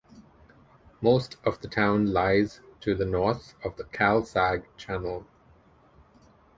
Most of the town lies to the north of the Cal-Sag Channel.